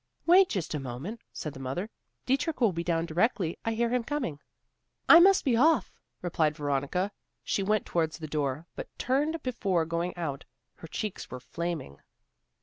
"Wait just a moment," said the mother, "Dietrich will be down directly; I hear him coming." "I must be off," replied Veronica. She went towards the door, but turned before going out. Her cheeks were flaming.